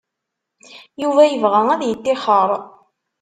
Yuba yebɣa ad yettixer.